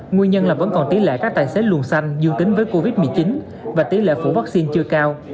nguyên nhân là vẫn còn tỷ lệ các tài xế luồn xanh dương tính với covid một mươi chín và tỷ lệ phủ vaccine chưa cao